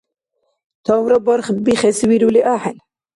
Тавра барх бихес вирули ахӀен.